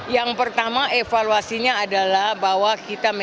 yang pertama evaluasinya adalah bahwa kita menjaga